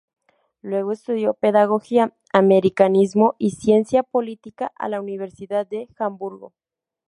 Luego estudió pedagogía, americanismo y ciencia política a la Universidad de Hamburgo.